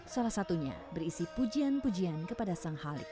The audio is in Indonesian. salah satunya berisi pujian pujian kepada sang halik